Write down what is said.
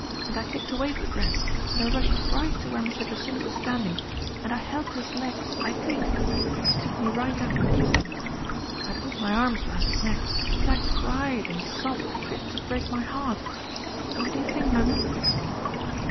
and I kicked away the dress, and I rushed right to where Mr. Jacynth was stand ing, and I held to his legs — I did ; and he took me right up and kissed me. I put my arms round his neck, and I cried and sobbed fit to break my heart ; and what do you think, mum my?